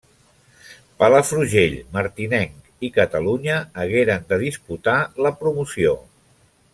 Palafrugell, Martinenc i Catalunya hagueren de disputar la promoció.